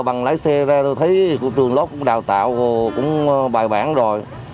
bằng lái xe ra tôi thấy trường lốc đào tạo cũng bài bản rồi